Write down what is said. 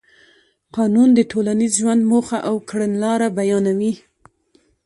قانون د ټولنیز ژوند موخه او کړنلاره بیانوي.